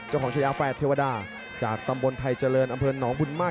เจ้าของชะยาแฟดเทวดาจากตำบลไทยเจริญอำเภิลหนองบุญมาก